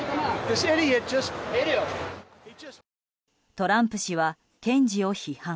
トランプ氏は検事を批判。